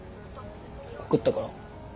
告ったから？